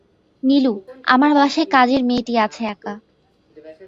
নীলু, আমার বাসায় কাজের মেয়েটি আছে একা।